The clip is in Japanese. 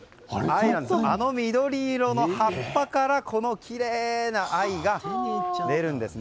あの緑色の葉っぱからこのきれいな藍が出るんです。